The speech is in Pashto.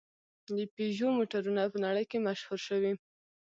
د پيژو موټرونه په نړۍ کې مشهور شوي.